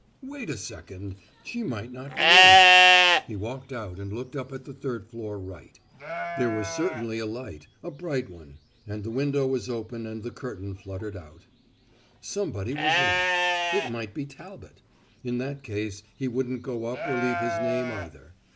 Wait a second she might not be in. He walked out and looked up at the third floor right. There was certainly a light, a bright one, and the window was open and the curtain fluttering out. Somebody was in. It might be Talbot. In that case he wouldn't go up or leave his name either.